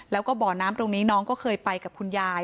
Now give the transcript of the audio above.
แล้วก็บ่อน้ำตรงนี้น้องก็เคยไปกับคุณยาย